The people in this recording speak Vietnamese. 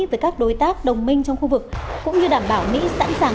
với các đối tác đồng minh trong khu vực cũng như đảm bảo mỹ sẵn sàng